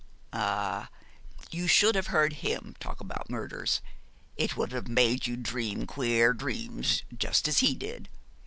'Ah, you should have heard him talk about murders. It would have made you dream queer dreams, just as he did.